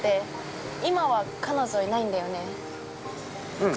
◆うん。